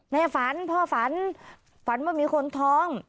ในฝันพ่อฝันฝันว่ามีคนท้อง